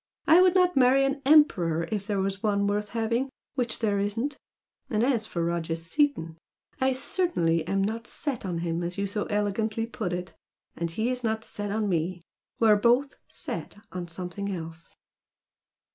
I would not marry an emperor if there were one worth having which there isn't! and as for Roger Seaton, I certainly am not 'set' on him as you so elegantly put it! And he's not 'set' on me. We're both 'set' on something else!"